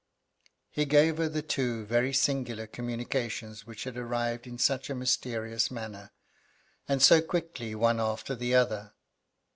He gave her the two very singular communications which had arrived in such a mysterious manner, and so quickly one after the other.